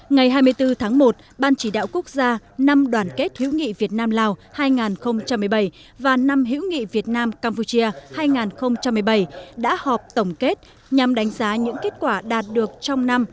ngày hai mươi bốn tháng một ban chỉ đạo quốc gia năm đoàn kết hiếu nghị việt nam lào hai nghìn một mươi bảy và năm hiếu nghị việt nam campuchia hai nghìn một mươi bảy đã họp tổng kết nhằm đánh giá những kết quả đạt được trong năm hai nghìn một mươi bảy